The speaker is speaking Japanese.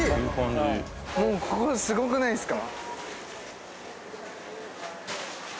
もうここすごくないですか？